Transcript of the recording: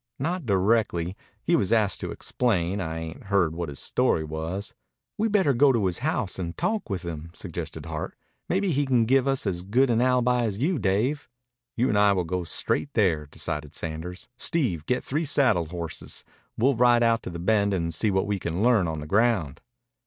"Not directly. He was asked to explain. I ain't heard what his story was." "We'd better go to his house and talk with him," suggested Hart. "Maybe he can give as good an alibi as you, Dave." "You and I will go straight there," decided Sanders. "Steve, get three saddle horses. We'll ride out to the Bend and see what we can learn on the ground."